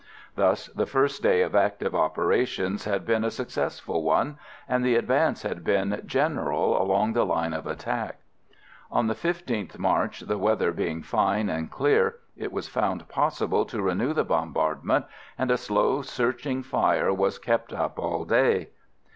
Thus the first day of active operations had been a successful one, and the advance had been general along the line of attack. On the 15th March, the weather being fine and clear, it was found possible to renew the bombardment, and a slow, searching fire was kept up all day.